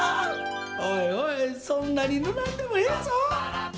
おいおい、そんなに塗らんでもええぞ。